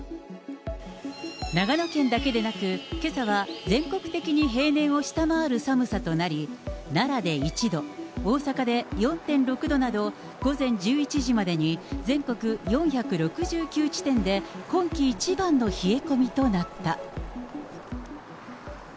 長野県だけでなく、けさは全国的に平年を下回る寒さとなり、奈良で１度、大阪で４．６度など、午前１１時までに全国４６９地点で今季一番の冷え込みとなった。